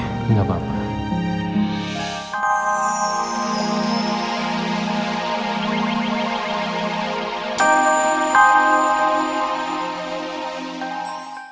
aku gak sengaja